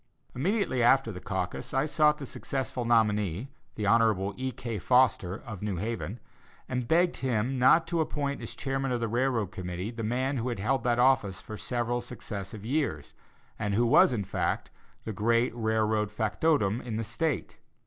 Immediately after the caucus, I sought the successful nominee, Hon. E. K. Foster, of New Haven, and begged him not to appoint as chairman of the railroad committee the man who had held that office for several successive years, and who was, in fact, the great railroad factotum in the State.